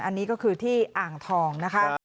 อันนี้ก็คือที่อ่างทองนะคะ